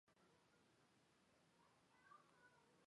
最低能量态的空间才是量子力学的真空。